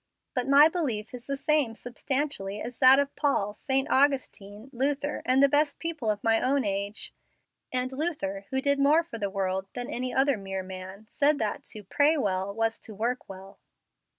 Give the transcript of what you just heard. But my belief is the same substantially as that of Paul, St. Augustine, Luther, and the best people of my own age; and Luther, who did more for the world than any other mere man, said that to 'pray well was to work well.'"